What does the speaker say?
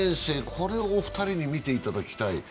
これお二人に見ていただきたい。